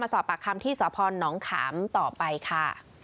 มาสอบปากคำที่สะพอนหนองขามต่อไปค่ะ